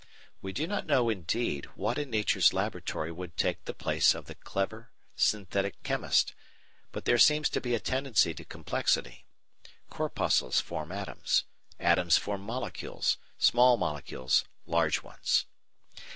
We do not know, indeed, what in Nature's laboratory would take the place of the clever synthetic chemist, but there seems to be a tendency to complexity. Corpuscles form atoms, atoms form molecules, small molecules large ones.